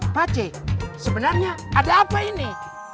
pace sebenarnya ada apa ini